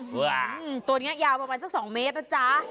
ตัวนี้ยาวประมาณสัก๒เมตรนะจ๊ะ